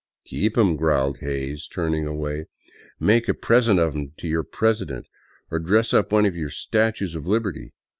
Keep 'em," growled Hays, turning away. " Make a present of them to your president, or dress up one of your statues of Liberty."